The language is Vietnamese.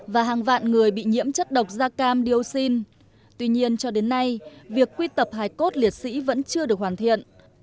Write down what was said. và hàng vạn người bị nhiễm chất độc da cam dioxin tuy nhiên cho đến nay việc quy tập hài cốt liệt sĩ vẫn chưa được hoàn thiện